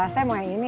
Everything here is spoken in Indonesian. saya mau yang ini